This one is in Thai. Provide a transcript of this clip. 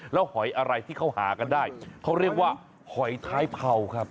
แล้วหอยอะไรที่เขาหากันได้เขาเรียกว่าหอยท้ายเผาครับ